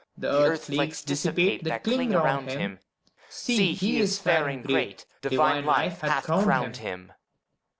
The earth flakes dissipate That cling around him! See, he is fair and great! Divine Life hath crowned him.